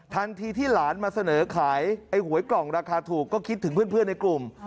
ทันทีที่หลานมาเสนอขายไอ้หวยกล่องราคาถูกก็คิดถึงเพื่อนในกลุ่ม